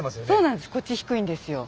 そうなんです。